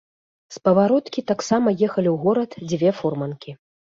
З павароткі таксама ехалі ў горад дзве фурманкі.